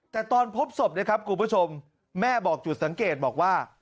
แต่ตอนพบศพนะครับคุณผู้ชมแม่บอกจุดสังเกตบอกว่า